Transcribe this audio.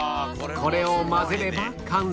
これを混ぜれば完成